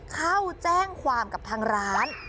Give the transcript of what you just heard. เข้าแจ้งความกับทางร้าน